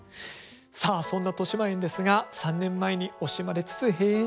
さあそんなとしまえんですが３年前に惜しまれつつ閉園しました。